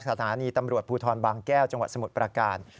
สถานีตำรวจภูทรบางแก้วจังหวัดสมุทรประการ